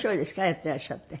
やってらっしゃって。